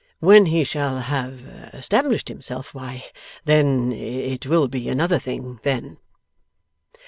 When he shall have established himself, why then it will be another thing then.